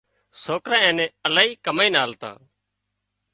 سوڪرا اين الاهي ڪمائينَ آلتا